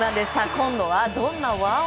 今度はどんなワオ！